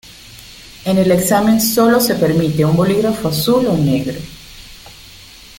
En el examen sólo se permite un bolígrafo azul o negro.